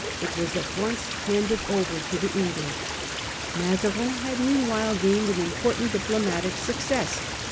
It was at once handed over to the English. Mazarin had meanwhile gained an important diplo matic success.